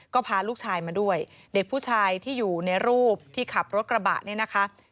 ก็พาลูกชายมาด้วยเด็กผู้ชายที่อยู่ในรูปที่ขับรถกระบะเนี่ยนะคะ